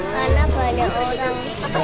karena banyak orang